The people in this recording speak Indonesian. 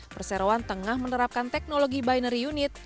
perseroan tengah menerapkan teknologi binary unit